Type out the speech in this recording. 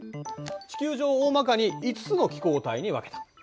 地球上をおおまかに５つの気候帯に分けた。